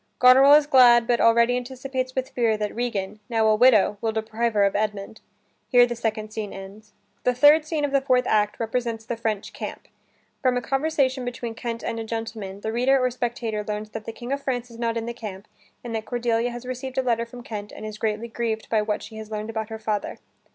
Goneril is glad but already anticipates with fear that Regan, now a widow, will deprive her of Edmund. Here the second scene ends. The third scene of the fourth act represents the French camp. From a conversation between Kent and a gentleman, the reader or spectator learns that the King of France is not in the camp and that Cordelia has received a letter from Kent and is greatly grieved by what she has learned about her father.